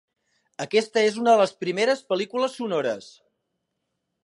Aquesta és una de les primeres pel·lícules sonores.